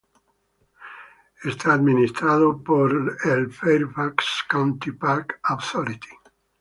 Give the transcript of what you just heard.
Está administrado por el "Fairfax County Park Authority".